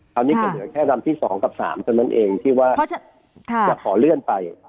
คราวนี้ก็เหลือแค่ลำที่๒กับ๓เท่านั้นเองที่ว่าจะขอเลื่อนไป